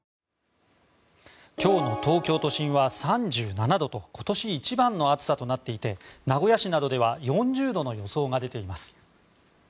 今日も東京都心は３７度と今年一番の暑さとなっていて名古屋市などでは４０度の予想が出ています。